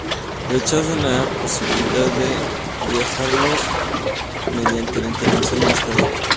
Rechazan la posibilidad de mejorarlo mediante la intervención del Estado.